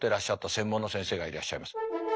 専門の先生がいらっしゃいます。